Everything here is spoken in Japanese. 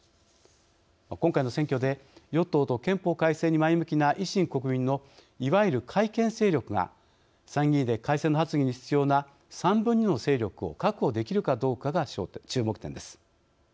今回の選挙で、与党と憲法改正に前向きな維新・国民のいわゆる改憲勢力が参議院で改正の発議に必要な３分の２の勢力を確保できるかどうかが注目点です。